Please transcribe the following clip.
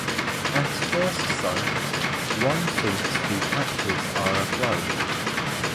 At first sight, one thinks the patches are applied.